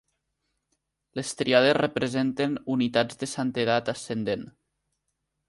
Les triades representen unitats de santedat ascendent.